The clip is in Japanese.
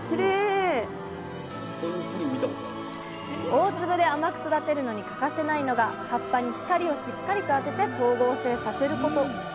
大粒で甘く育てるのに欠かせないのが葉っぱに光をしっかりと当てて光合成させること。